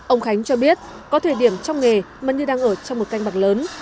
ông khánh cho biết có thời điểm trong nghề mà như đang ở trong một canh bạc lớn